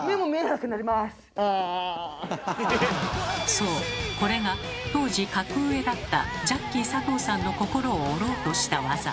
そうこれが当時格上だったジャッキー佐藤さんの心を折ろうとした技。